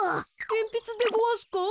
えんぴつでごわすか？